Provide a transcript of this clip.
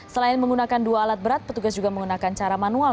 selain menggunakan dua alat berat petugas juga menggunakan cara manual